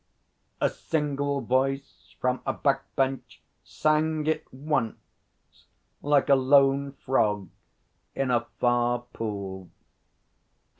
A single voice from a back Bench sang it once like a lone frog in a far pool.